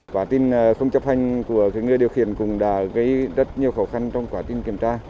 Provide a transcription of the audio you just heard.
quả tin không chấp hành của người điều khiển cùng đã gây rất nhiều khó khăn trong quả tin kiểm tra